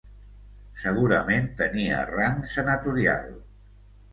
Segurament tenia rang senatorial.